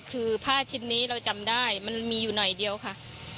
คือผ้าชิ้นนี้เราจำได้มันมีอยู่หน่อยเดียวค่ะ